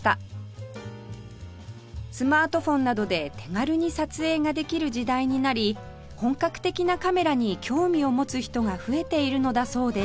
スマートフォンなどで手軽に撮影ができる時代になり本格的なカメラに興味を持つ人が増えているのだそうです